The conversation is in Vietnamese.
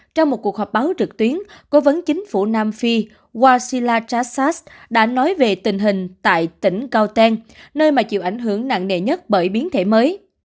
trong một cuộc họp báo trực tuyến cố vấn chính phủ nam phi wasila chassas đã nói về tình hình tại tỉnh cao teng nơi mà chịu ảnh hưởng nặng nề nhất bởi biến thể mới